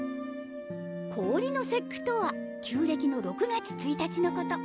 氷の節句とは旧暦の６月１日のこと